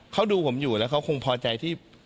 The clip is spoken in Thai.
เขาดูผมอยู่แล้วเขาคงพอใจที่